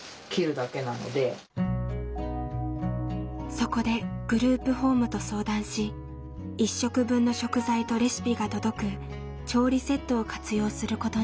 そこでグループホームと相談し１食分の食材とレシピが届く調理セットを活用することに。